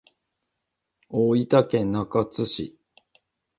大分県中津市